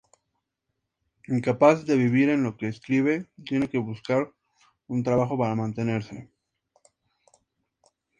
Incapaz de vivir de lo que escribe, tiene que buscar un trabajo para mantenerse.